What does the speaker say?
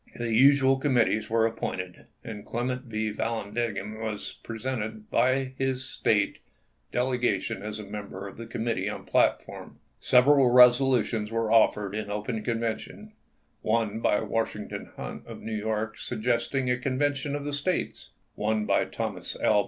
The usual committees were appointed, and Clem ent L. Vallandigham was presented by his State delegation as a member of the committee on plat form. Several resolutions were offered in open convention — one by Washington Hunt of New York suggesting a convention of the States ; one by Thomas L.